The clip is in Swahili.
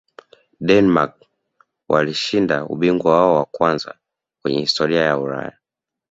denmark walishinda ubingwa wao wa kwanza kwenye historia ya ulaya